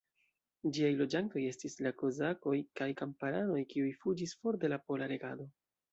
Ĝiaj loĝantoj estis la kozakoj kaj kamparanoj, kiuj fuĝis for de la pola regado.